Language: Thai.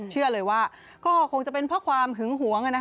เชื่อเลยว่าก็คงจะเป็นเพราะความหึงหวง